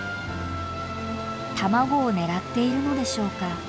卵を狙っているのでしょうか？